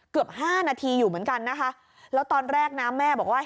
เกือบห้านาทีอยู่เหมือนกันนะคะแล้วตอนแรกนะแม่บอกว่า